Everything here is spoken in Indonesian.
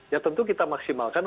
ya tentu kita maksimalkan